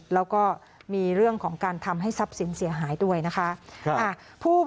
แล้วก็มีเรื่องของการทำให้ทรัพย์สินเสียหายด้วยนะคะ